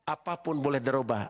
apapun boleh diubah